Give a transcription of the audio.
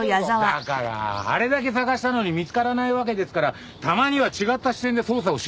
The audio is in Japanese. だからあれだけ捜したのに見つからないわけですからたまには違った視点で捜査をしないと。